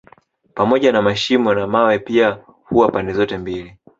Pamoja na mashimo na mawe pia huwa pande zote mbili